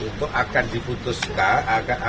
itu akan diputuskan